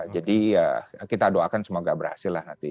jadi kita doakan semoga berhasil lah nanti